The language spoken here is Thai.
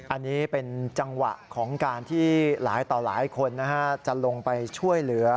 อันนี้เป็นจังหวะของการที่หลายต่อหลายคนจะลงไปช่วยเหลือ